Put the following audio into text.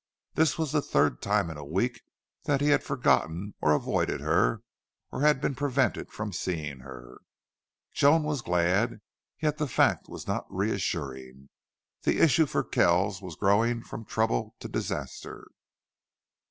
This was the third time in a week that he had forgotten or avoided her or had been prevented from seeing her. Joan was glad, yet the fact was not reassuring. The issue for Kells was growing from trouble to disaster.